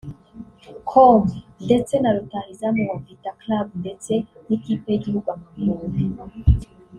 com ndetse na Rutahizamu wa Vita Club ndetse n’ikipe y’igihugu Amavubi